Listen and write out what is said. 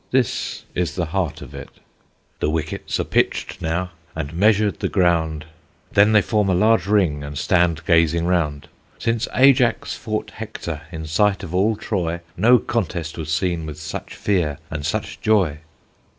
This is the heart of it: The wickets are pitch'd now, and measur'd the ground, Then they form a large ring, and stand gazing around, Since AJAX fought HECTOR, in sight of all TROY, No contest was seen with such fear and such joy.